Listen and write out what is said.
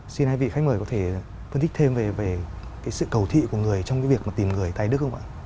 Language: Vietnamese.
xin hai vị khách mời có thể phân tích thêm về cái sự cầu thị của người trong cái việc mà tìm người tài đức không ạ